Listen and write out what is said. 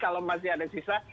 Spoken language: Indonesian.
kalau masih ada sisa